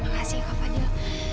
makasih kak fadil